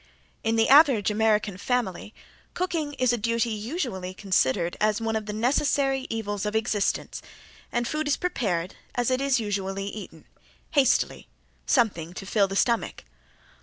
In the average American family cooking is a duty usually considered as one of the necessary evils of existence, and food is prepared as it is usually eaten hastily something to fill the stomach.